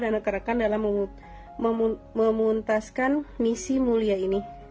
dan rekan rekan dalam memuntaskan misi mulia ini